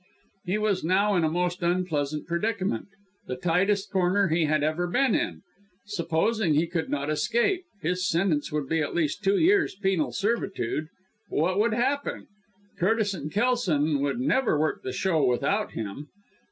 He was now in a most unpleasant predicament the tightest corner he had ever been in. Supposing he could not escape his sentence would be at the least two years' penal servitude what would happen? Curtis and Kelson would never work the show without him.